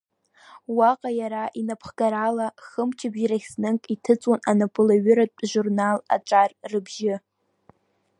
Уаҟа иара инапхгарала хымчыбжь рахь знык иҭыҵуан анапылаҩыратә журнал Аҿар рыбжьы.